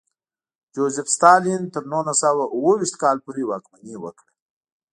جوزېف ستالین تر نولس سوه اوه ویشت کال پورې واکمني وکړه.